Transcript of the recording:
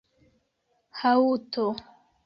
haŭto